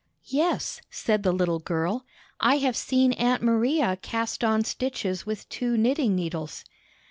"Yes," said the little girl, "I have seen Aunt Maria cast on stitches with two knitting needles."